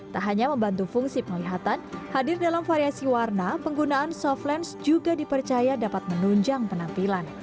tak hanya membantu fungsi penglihatan hadir dalam variasi warna penggunaan softlens juga dipercaya dapat menunjang penampilan